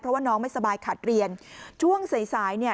เพราะว่าน้องไม่สบายขาดเรียนช่วงสายสายเนี่ย